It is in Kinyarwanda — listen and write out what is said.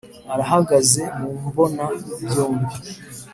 arahagaze mu mbona byombi.